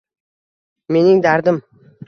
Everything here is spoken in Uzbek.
Mening dardim